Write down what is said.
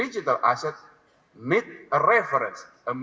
kita sudah isu